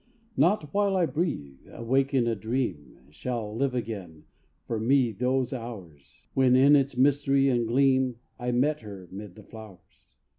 _ _Not while I breathe, awake adream, Shall live again for me those hours, When, in its mystery and gleam, I met her 'mid the flowers.